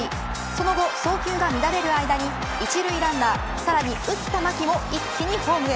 その後、送球が乱れる間に１塁ランナー、さらに打った牧も一気にホームへ。